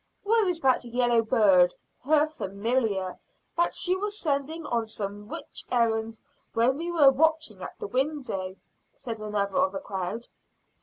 "Where is the yellow bird her familiar that she was sending on some witch's errand when we were watching at the window?" said another of the crowd.